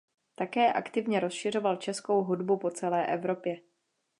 Také aktivně rozšiřoval českou hudbu po celé Evropě.